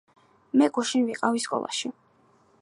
მე გუშინ ვიყავი სკოლაში.